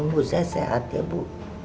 ibu saya sehat ya bu